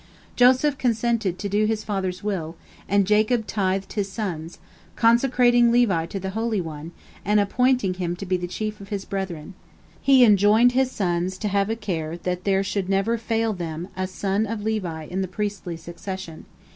Joseph consented to do his father's will, and Jacob tithed his sons, consecrating Levi to the Holy One, and appointing him to be the chief of his brethren. He enjoined his sons to have a care that there should never fail them a son of Levi in the priestly succession.